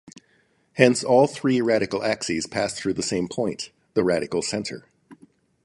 Hence, all three radical axes pass through the same point, the radical center.